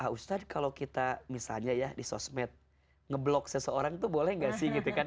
ustadz kalau kita misalnya ya di sosmed ngeblok seseorang tuh boleh gak sih gitu kan